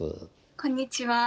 こんにちは。